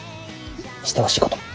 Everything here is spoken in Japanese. してほしいこと。